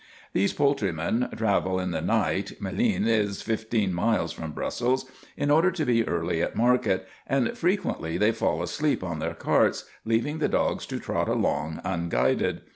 These poultrymen travel in the night (Malines is fifteen miles from Brussels) in order to be early at market, and frequently they fall asleep on their carts, leaving the dogs to trot along unguided.